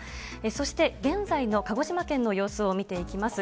そして現在の鹿児島県の様子を見ていきます。